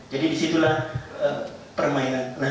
jadi disitulah permainan